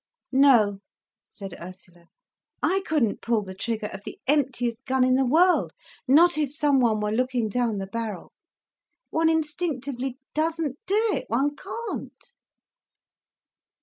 "No," said Ursula. "I couldn't pull the trigger of the emptiest gun in the world, not if some one were looking down the barrel. One instinctively doesn't do it—one can't."